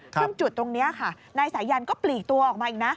ซึ่งจุดตรงนี้ค่ะนายสายันก็ปลีกตัวออกมาอีกนะ